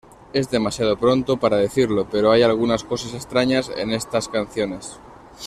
Es demasiado pronto para decirlo, pero hay algunas cosas extrañas en estas canciones".